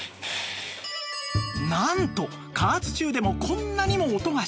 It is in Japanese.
なんと加圧中でもこんなにも音が静か